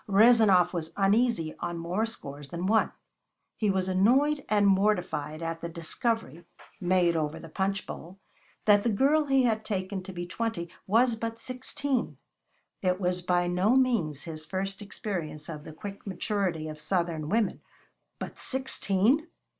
Rezanov was uneasy on more scores than one. He was annoyed and mortified at the discovery made over the punch bowl that the girl he had taken to be twenty was but sixteen. It was by no means his first experience of the quick maturity of southern women but sixteen!